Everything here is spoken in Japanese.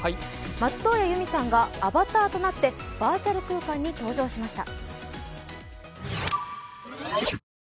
松任谷由実さんがアバターとなってバーチャル空間に登場しました。